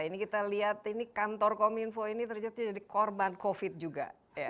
ini kita lihat kantor kom info ini terjadi jadi korban covid sembilan belas juga